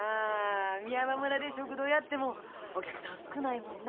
美山村で食堂やってもお客さん少ないもんな。